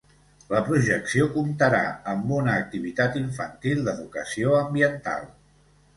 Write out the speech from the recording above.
La projecció comptarà amb una activitat infantil d’educació ambiental.